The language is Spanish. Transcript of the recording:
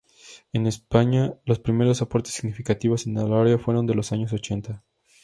En España, los primeros aportes significativos en el área fueron de los años ochenta.